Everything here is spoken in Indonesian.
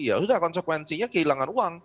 ya sudah konsekuensinya kehilangan uang